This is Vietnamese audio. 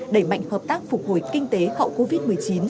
đẩy mạnh hợp tác phục hồi kinh tế hậu covid một mươi chín